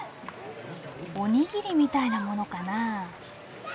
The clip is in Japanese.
お握りみたいなものかな。